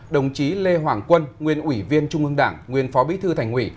đồng chí lê hoàng quân nguyên ủy viên trung ương đảng nguyên phó bí thư thành ủy